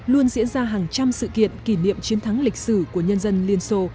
luôn diễn ra hàng trăm sự kiện kỷ niệm chiến thắng lịch sử của nhân dân liên xô